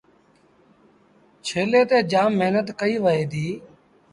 ڇيلي تي جآم مهنت ڪئيٚ وهي دي۔